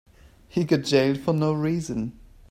He got jailed for no reason.